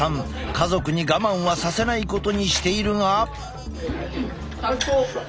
家族に我慢はさせないことにしているが。